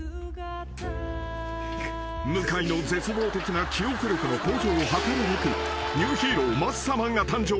［向井の絶望的な記憶力の向上を図るべくニューヒーローマッサマンが誕生］